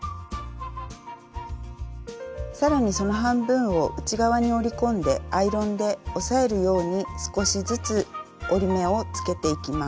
更にその半分を内側に折り込んでアイロンで押さえるように少しずつ折り目をつけていきます。